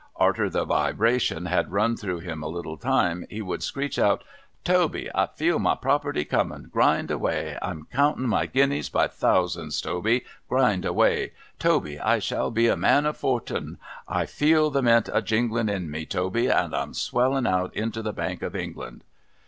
Arter the wibration had run through him a little time, he would screech out, ' Toby, I feel my property coming— grind away ! I'm counting my gumeas by thousands, Toby — grind away ! Toby, I shall be a man of fortun ! I feel the Mint a jingling in me, Toby, and I'm swelling out into the Bank of England